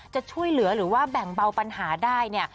จะช่วยเหลือหรือว่าแบ่งเบาปัญหาได้เนี่ย